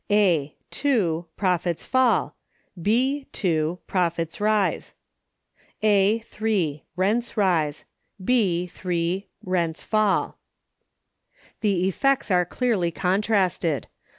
A. (2.) Profits fall. B. (2.) Profits rise. A. (3.) Rents rise. B. (3.) Rents fall. The effects are clearly contrasted.